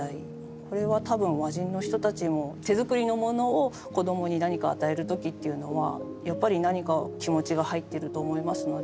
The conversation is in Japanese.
これは多分和人の人たちも手作りのものを子供に何か与える時っていうのはやっぱり何か気持ちが入ってると思いますので。